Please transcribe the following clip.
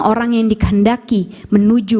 orang yang dikehendaki menuju